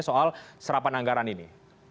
soal serapan anggaran ini